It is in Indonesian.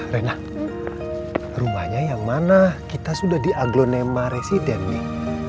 rena rumahnya yang mana kita sudah di aglonema resident nih